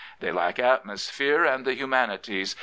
They lack atmosphere and the humanities.